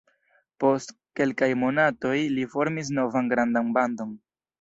Post kelkaj monatoj li formis novan grandan bandon.